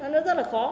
nó rất là khó